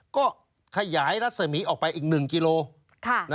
ก็ขยายรัศมีออกไปอีก๑กิโล